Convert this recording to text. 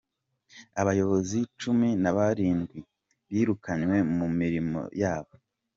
Abayobozi cumu nabarindwi birukanywe mu mirimo yabo